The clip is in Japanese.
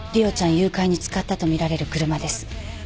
誘拐に使ったとみられる車です。